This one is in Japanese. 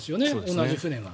同じ船が。